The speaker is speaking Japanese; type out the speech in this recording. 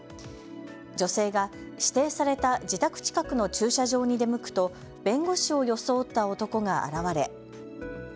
女性が指定された自宅近くの駐車場に出向くと弁護士を装った男が現れ。